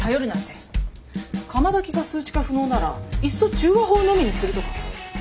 窯焚きが数値化不能ならいっそ中和法のみにするとか。